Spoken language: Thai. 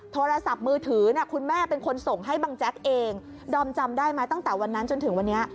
โทรศัพท์มือถือคุณแม่เป็นคนส่งให้บังแจ๊กเองดอมจำได้ไหมตั้งแต่วันนั้นจนถึงวันนี้